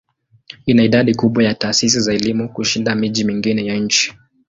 Ina idadi kubwa ya taasisi za elimu kushinda miji mingine ya nchi.